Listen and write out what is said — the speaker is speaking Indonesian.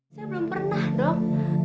saya belum pernah dong